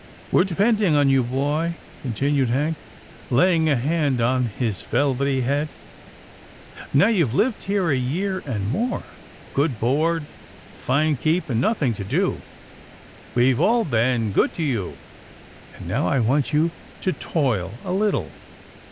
We're depending on you, boy," continued Hank, laying a hand on his velvety head. " Now you've lived here a year and more, good board, fine keep, 176 'TILDA JANE'S ORPHANS and nothing to do. We've all been good to you, and now I want you to toil a little."